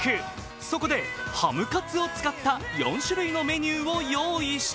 そこで、ハムカツを使った４種類のメニューを用意した。